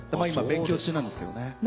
今勉強中なんですけどね。